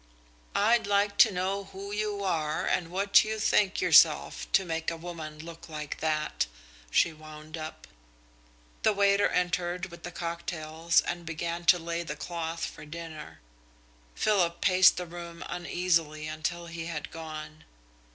"I'd like to know who you are and what you think yourself to make a woman look like that?" she wound up. The waiter entered with the cocktails and began to lay the cloth for dinner. Philip paced the room uneasily until he had gone.